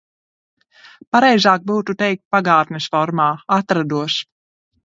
Pareizāk būtu teikt pagātnes formā – atrados.